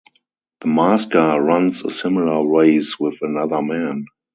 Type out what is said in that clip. The masker runs a similar race with another man.